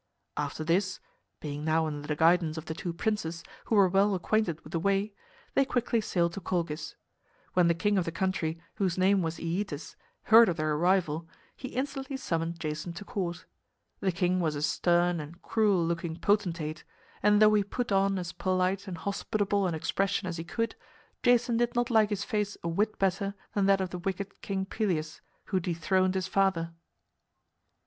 After this (being now under the guidance of the two princes, who were well acquainted with the way) they quickly sailed to Colchis. When the king of the country, whose name was Æetes, heard of their arrival, he instantly summoned Jason to court. The king was a stern and cruel looking potentate, and though he put on as polite and hospitable an expression as he could, Jason did not like his face a whit better than that of the wicked King Pelias, who dethroned his father.